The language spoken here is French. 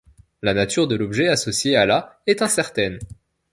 La nature de l'objet associé à la est incertaine.